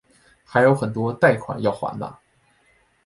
还有很多贷款要还哪